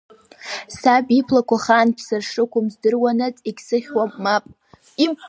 Саб иблақәа ахаан ԥсра шрықәым здыруанаҵ егьсыхьуам, мап.